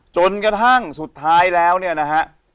จนกระทั่งสุดท้ายแล้วเนี่ยนะฮะ